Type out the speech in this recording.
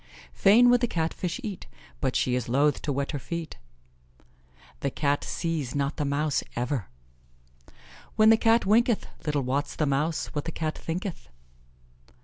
"Fain would the Cat fish eat, but she is loth to wet her feet." "The Cat sees not the mouse ever." "When the Cat winketh, little wots the mouse what the Cat thinketh."